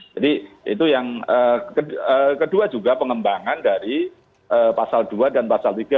jadi itu yang kedua juga pengembangan dari pasal dua dan pasal tiga